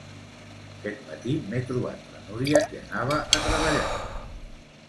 Aquest matí m'he trobat la Núria que anava a treballar